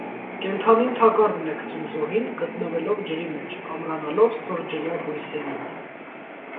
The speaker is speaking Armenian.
Կենդանին թակարդն է գցում զոհին՝ գտնվելով ջրի մեջ, ամրանալով ստորջրյա բույսերին։